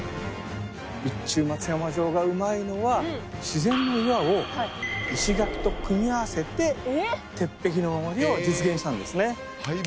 備中松山城がうまいのは自然の岩を石垣と組み合わせて鉄壁の守りを実現したんですね